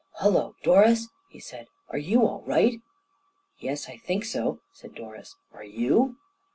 "Hullo, Doris!" he said; "are you all right?" "Yes, I think so," said Doris. "Are you?"